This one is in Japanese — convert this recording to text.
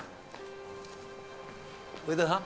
上田さん？